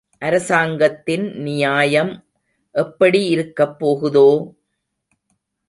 அரசாங்கத்தின் நியாயம் எப்படி இருக்கப்போகுதோ..?